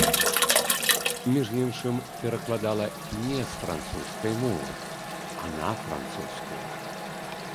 Між іншым, перакладала не з французскай мовы, а на французскую.